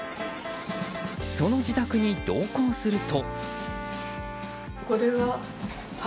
その自宅に同行すると。